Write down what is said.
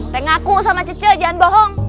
teng aku sama cece jangan bohong